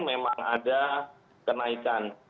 memang ada kenaikan